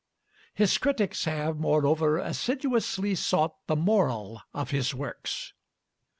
His critics have, moreover, assiduously sought the moral of his works.